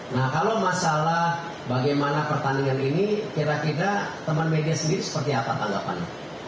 nah kalau masalah bagaimana pertandingan ini kira kira teman media sendiri seperti apa tanggapan